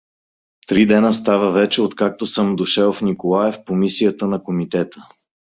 Три дена става вече, откакто съм дошел в Николаев по мисията на Комитета.